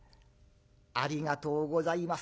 「ありがとうございます。